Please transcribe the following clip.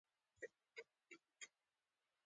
مولوي سندی او نور کسان ناست وو.